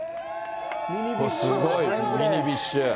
これ、すごい、ミニビッシュ。